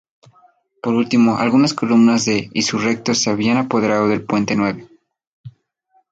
Por último, algunas columnas de insurrectos se habían apoderado del Puente Nuevo.